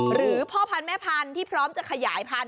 หรือพ่อพันธุ์แม่พันธุ์ที่พร้อมจะขยายพันธุ